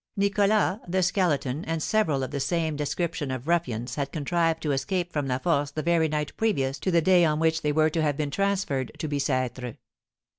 Nicholas, the Skeleton, and several of the same description of ruffians had contrived to escape from La Force the very night previous to the day on which they were to have been transferred to Bicêtre.